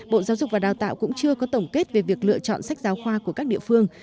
bộ giáo dục và đào tạo cũng chưa có tổng kết về việc lựa chọn sách giáo khoa của các địa phương